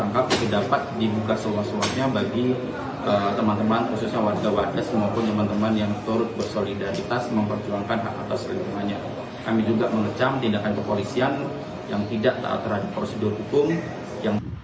kami juga mengecam tindakan kepolisian yang tidak taat terhadap prosedur hukum yang